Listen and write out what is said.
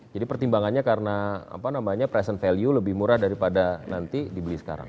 jadi pertimbangannya karena present value lebih murah daripada nanti dibeli sekarang